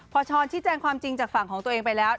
พอช้อนชี้แจงความจริงจากฝั่งของตัวเองไปแล้ว